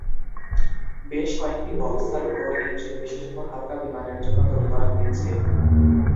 বেশ কয়েকটি boxer-four engine বিশেষত হালকা বিমানের জন্য তৈরি করা হয়েছে।